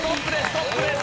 トップです。